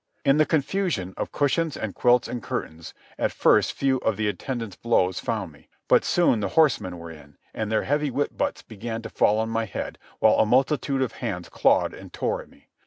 In the confusion of cushions and quilts and curtains, at first few of the attendants' blows found me. But soon the horsemen were in, and their heavy whip butts began to fall on my head, while a multitude of hands clawed and tore at me.